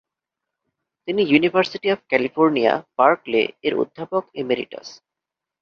তিনি university of California, Berkeley এর অধ্যাপক ইমেরিটাস।